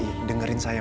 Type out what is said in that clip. ii dengerin saya